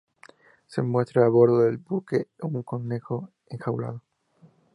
Se muestra a bordo del buque un conejo enjaulado.